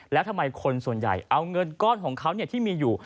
แล้วทำไมคนส่วนใหญ่เอาเงินก้อนของเขาที่มีอยู่